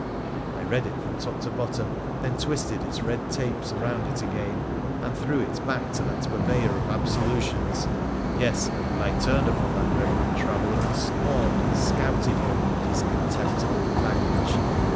I read it from top to bottom, then twisted its red tapes round it again and threw it back to that purveyor of absolutions. Yes ; and I turned upon that reverend traveller and scorned and scouted him and his contemptible baggage.